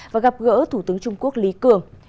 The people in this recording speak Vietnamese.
và gặp gỡ thủ tướng trung quốc lý cường